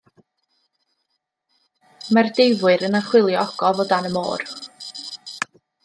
Mae'r deifwyr yn archwilio ogof o dan y môr.